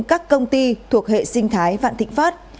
các công ty thuộc hệ sinh thái vạn thịnh pháp